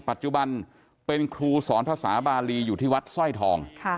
ปัจจุบันเป็นครูสอนภาษาบาลีอยู่ที่วัดสร้อยทอง